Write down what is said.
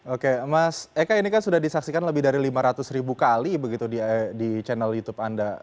oke mas eka ini kan sudah disaksikan lebih dari lima ratus ribu kali begitu di channel youtube anda